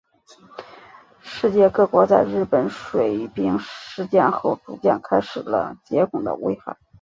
世界各国在日本水俣病事件后逐渐开始了解汞的危害。